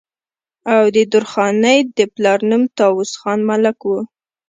او د درخانۍ د پلار نوم طاوس خان ملک وو